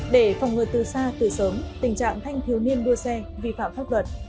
để phòng ngừa từ xa từ sớm tình trạng thanh thiếu niên đua xe vi phạm pháp luật